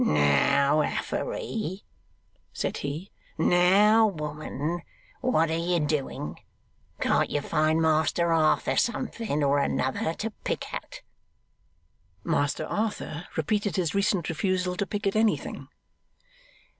'Now, Affery,' said he, 'now, woman, what are you doing? Can't you find Master Arthur something or another to pick at?' Master Arthur repeated his recent refusal to pick at anything.